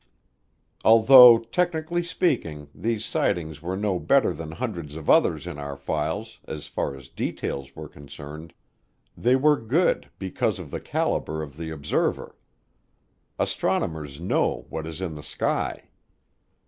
Although, technically speaking, these sightings were no better than hundreds of others in our files as far as details were concerned, they were good because of the caliber of the observer. Astronomers know what is in the sky.